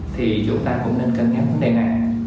thì chúng ta cũng nên cân nhắc vấn đề này